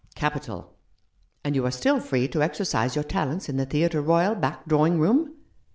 "Capital! And you are still free to exercise your talents in the Theatre Royal Back Drawing room